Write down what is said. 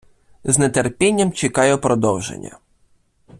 З нетерпінням чекаю продовження